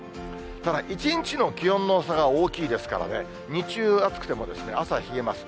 ただ、一日の気温の差が大きいですからね、日中暑くても、朝冷えます。